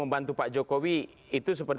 membantu pak jokowi itu seperti